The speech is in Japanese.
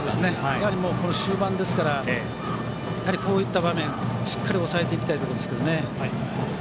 やはり終盤ですからこういった場面は、しっかり抑えていきたいところですね。